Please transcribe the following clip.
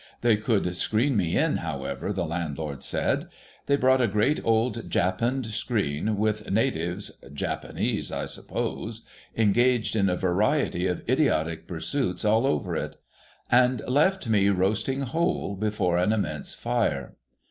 They could screen me in, however, the landlord said. They brought a great old japanned screen, with natives (Japanese, I suppose) engaged in a variety of idiotic pursuits all over it ; and left me roasting whole before an immense fire.